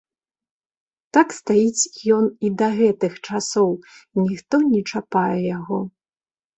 Так стаіць ён і да гэтых часоў, і ніхто не чапае яго.